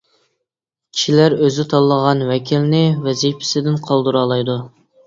كىشىلەر ئۆزى تاللىغان ۋەكىلنى ۋەزىپىسىدىن قالدۇرالايدۇ.